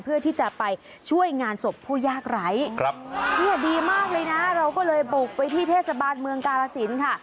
เพื่อที่จะไปช่วยงานศพผู้ยากไร้ครับเนี่ยดีมากเลยนะเราก็เลยบุกไปที่เทศบาลเมืองกาลสินค่ะ